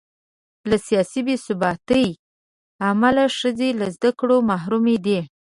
له سیاسي بې ثباتۍ امله ښځې له زده کړو محرومې دي.